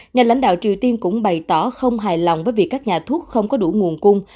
nhà lãnh đạo triều tiên cũng bày tỏ không hài lòng với việc các nhà thuốc không có đủ nguồn cung